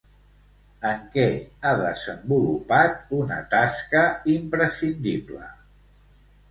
En què ha desenvolupat una tasca imprescindible?